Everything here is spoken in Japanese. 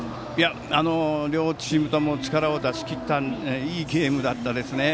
両チームとも力を出しきったいいゲームでした。